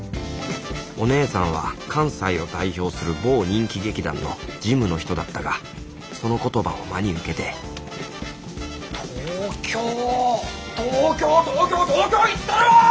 おねえさんは関西を代表する某人気劇団の事務の人だったがその言葉を真に受けて東京東京東京東京行ったるわ！